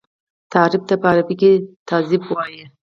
تحريف ته په عربي کي تزييف وايي.